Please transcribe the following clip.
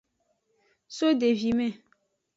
So devime.